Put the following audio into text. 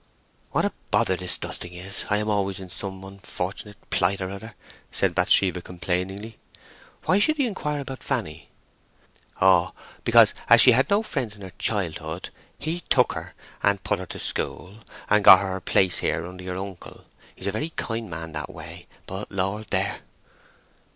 "What a bother this dusting is! I am always in some unfortunate plight or other," Bathsheba said, complainingly. "Why should he inquire about Fanny?" "Oh, because, as she had no friends in her childhood, he took her and put her to school, and got her her place here under your uncle. He's a very kind man that way, but Lord—there!"